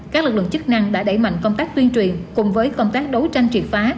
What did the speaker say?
các lực lượng chức năng đã đẩy mạnh công tác tuyên truyền cùng với công tác đấu tranh triệt phá